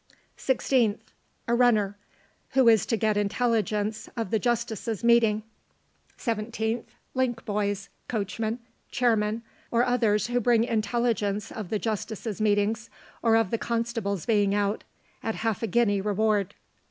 16th. A RUNNER, who is to get intelligence of the justices' meeting. 17th. LINK BOYS, COACHMEN, CHAIRMEN, or others who bring intelligence of the justices' meetings, or of the constables being out, at half a guinea reward.